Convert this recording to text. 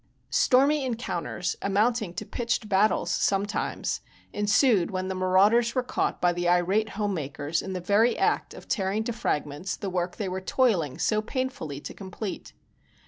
Stormy encounters, amounting to pitched battles sometimes, ensued when the marauders were caught by the irate home makers in the very act of tearing to fragments the work they were toiling so painfully to complete.